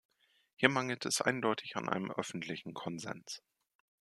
Hier mangelt es eindeutig an einem öffentlichen Konsens.